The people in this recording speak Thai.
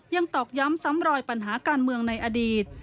ตอกย้ำซ้ำรอยปัญหาการเมืองในอดีต